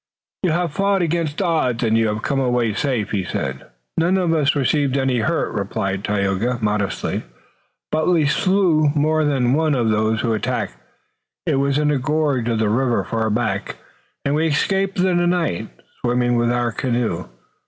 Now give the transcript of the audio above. "You have fought against odds and you have come away safe," he said. "None of us received any hurt," replied Tayoga, modestly, "but we slew more than one of those who attacked. It was in a gorge of the river far back, and we escaped in the night, swimming with our canoe.